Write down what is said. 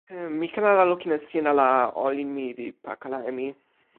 mi ken ala lukin e sina la olin mi li pakala e mi.